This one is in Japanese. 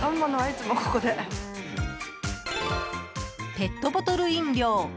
ペットボトル飲料。